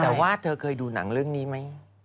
แต่ว่าเธอเคยดูหนังเรื่องนี้ไหม